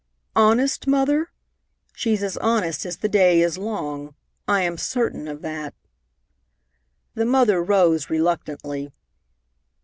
"Honest, Mother? She's as honest as the day is long. I am certain of that." The mother rose reluctantly.